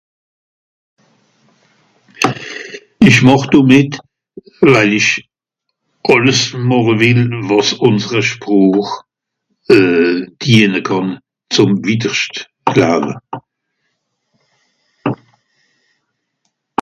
ìsch màch dò mìt leich àlles màch wìll wàs ùnsere spràch euh dienne kànne zùm wiederscht lawe